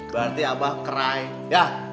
berarti abah krai ya